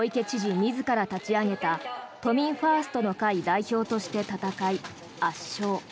自ら立ち上げた都民ファーストの会代表として戦い、圧勝。